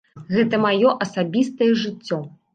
Гэта маё асабістае жыццё.